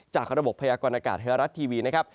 จากระบบพยากรณากาศไทยรัฐทีวีนะครับ